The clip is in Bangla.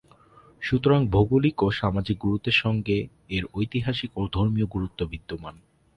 সুতরাং ভৌগোলিক ও সামাজিক গুরুত্বের সঙ্গে এর ঐতিহাসিক ও ধর্মীয় গুরুত্ব বিদ্যমান।